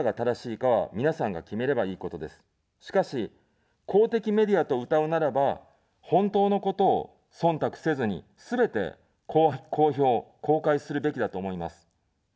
しかし、公的メディアと、うたうならば、本当のことをそんたくせずに、すべて公表、公開するべきだと思います。